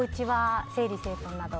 整理整頓などは。